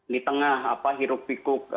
di tengah hirup pikuk